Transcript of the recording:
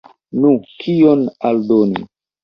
Nu, kion aldoni?